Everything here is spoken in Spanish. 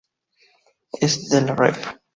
S. de la Rep.